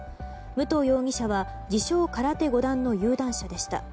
武藤容疑者は自称空手５段の有段者でした。